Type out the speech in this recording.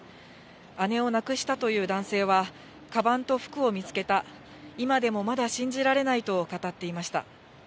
姉を亡くしたという男性は、かばんと服を見つけた、今でもまだ信じられないと語っていました。